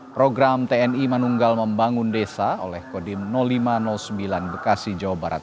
program tni manunggal membangun desa oleh kodim lima ratus sembilan bekasi jawa barat